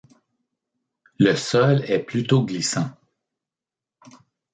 Le sol est plutôt glissant.